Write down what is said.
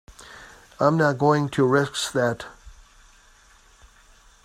I'm not going to risk that!